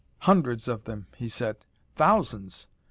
"Hundreds of them," he said; "thousands!